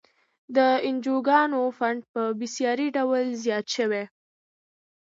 د انجوګانو فنډ په بیسارې ډول زیات شوی.